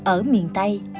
ở miền tây